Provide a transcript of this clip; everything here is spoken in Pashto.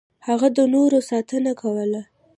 هغه د نورو ساتنه کوله.